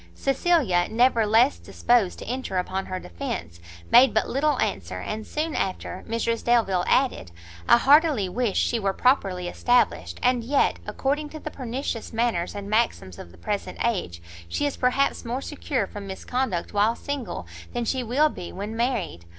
Cecilia, never less disposed to enter upon her defence, made but little answer; and, soon after, Mrs Delvile added, "I heartily wish she were properly established; and yet, according to the pernicious manners and maxims of the present age, she is perhaps more secure from misconduct while single, than she will be when married.